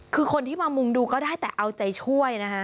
คือคนที่มามุงดูก็ได้แต่เอาใจช่วยนะคะ